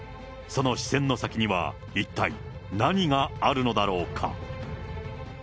その視線の先には、一体何があるのだろうか。